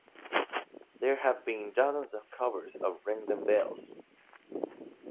There have been dozens of covers of "Ring Them Bells".